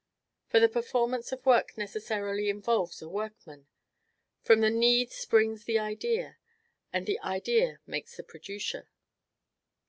For the performance of work necessarily involves a workman: from the need springs the idea, and the idea makes the producer.